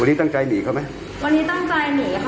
วันนี้ตั้งใจหนีเขาไหมวันนี้ตั้งใจหนีค่ะ